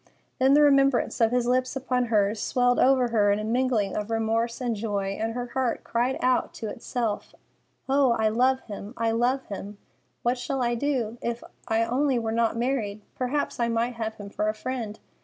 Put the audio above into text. Then the remembrance of his lips upon hers swelled over her in a mingling of remorse and joy, and her heart cried out to itself, "Oh, I love him! I love him! What shall I do? If I only were not married, perhaps I might have him for a friend.